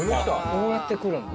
こうやって来るんだ。